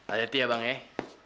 ayati ya bang eh